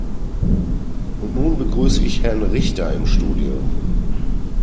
Und nun begrüße ich Herrn Richter im Studio.